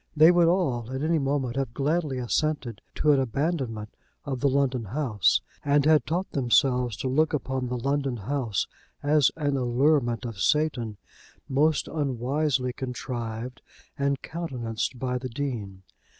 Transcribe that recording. They would all, at any moment, have gladly assented to an abandonment of the London house, and had taught themselves to look upon the London house as an allurement of Satan, most unwisely contrived and countenanced by the Dean.